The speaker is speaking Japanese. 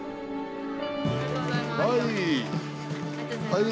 はい。